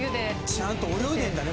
ちゃんと泳いでるんだね